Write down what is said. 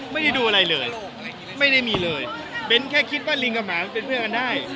ไม่ได้ดูอะไรเลยไม่ได้มีเลยเบ้นแค่คิดว่าลิงกับหมามันเป็นเพื่อนกันได้